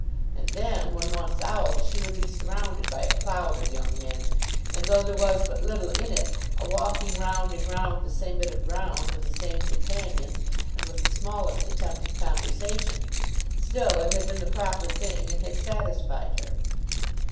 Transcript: And then, when once out, she would be surrounded by a cloud of young men, and though there was but little in it, a walking round and round the same bit of ground with the same companions and with the smallest attempt at conversation, still it had been the proper thing and had satisfied her.